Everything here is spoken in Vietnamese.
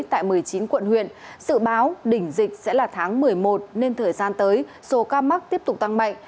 tại một mươi chín quận huyện dự báo đỉnh dịch sẽ là tháng một mươi một nên thời gian tới số ca mắc tiếp tục tăng mạnh